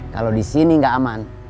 kalau di sini nggak aman